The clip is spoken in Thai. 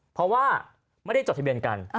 เพราะว่าไม่ได้จดทะเบียนกัน